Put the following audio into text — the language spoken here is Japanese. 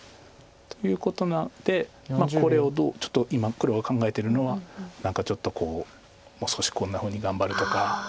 ということなんでこれをちょっと今黒が考えてるのは何かちょっともう少しこんなふうに頑張るとか。